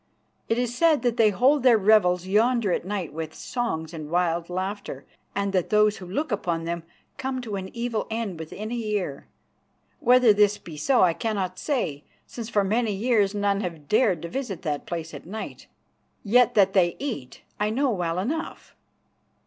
It is said that they hold their revels yonder at night with songs and wild laughter, and that those who look upon them come to an evil end within a year. Whether this be so I cannot say, since for many years none have dared to visit that place at night. Yet that they eat I know well enough."